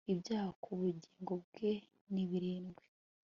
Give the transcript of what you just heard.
Ibyaha ku bugingo bwe ni birindwi